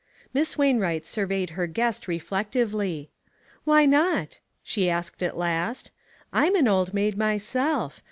Miss Wainwright surveyed her guest re flectively. "Why not?" she asked at last. "I'm an old maid myself.